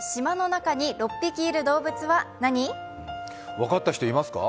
分かった人、いますか？